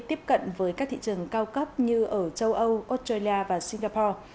tiếp cận với các thị trường cao cấp như ở châu âu australia và singapore